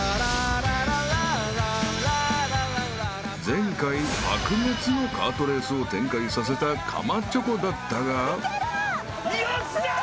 ［前回白熱のカートレースを展開させたかまチョコだったが］